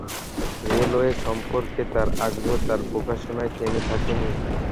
Railway সম্পর্কে তাঁর আগ্রহ তাঁর প্রকাশনায় থেমে থাকেনি।